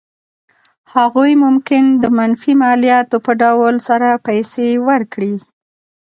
هغوی ممکن د منفي مالیاتو په ډول سره پیسې ورکړي.